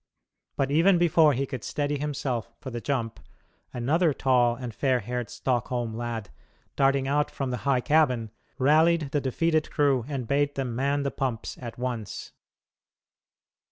But even before he could steady himself for the jump, another tall and fair haired Stockholm lad, darting out from the high cabin, rallied the defeated crew and bade them man the pumps at once.